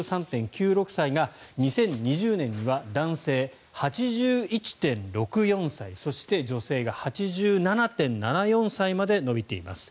５３．９６歳が２０２０年には男性８１．６４歳そして女性が８７．７４歳まで延びています。